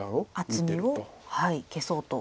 厚みを消そうと。